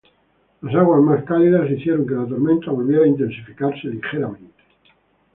Las aguas más cálidas hicieron que la tormenta volviera a intensificarse ligeramente.